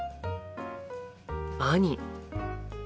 兄。